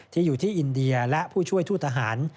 อยู่ที่อินเดียและผู้ช่วยทูตทหาร